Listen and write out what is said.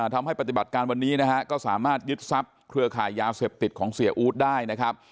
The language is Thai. ทำให้ปฏิบัติการวันนี้นะฮะก็สามารถยึดทรัพย์เครือข่ายยาเสพติดของเสียอู๊ดได้นะครับ